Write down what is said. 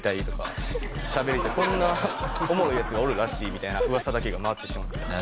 「しゃべれてこんなおもろいヤツがおるらしい」みたいなうわさだけが回ってしまって。